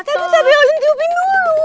tapi tata jangan tiupin dulu